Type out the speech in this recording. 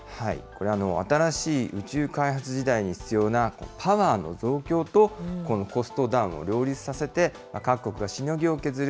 新しい宇宙開発時代に必要なパワーの増強と、このコストダウンを両立させて、各国がしのぎを削る